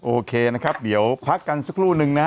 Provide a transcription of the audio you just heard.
โอเคนะครับเดี๋ยวพักกันสักครู่นึงนะฮะ